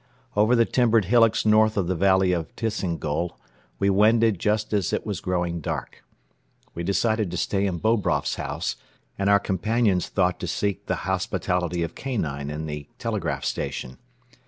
Over the timbered hillocks north of the valley of Tisingol we wended just as it was growing dark. We decided to stay in Bobroff's house and our companions thought to seek the hospitality of Kanine in the telegraph station.